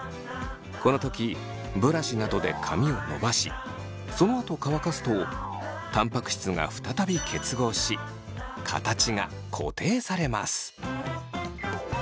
この時ブラシなどで髪を伸ばしそのあと乾かすとたんぱく質が再び結合し形が固定されます。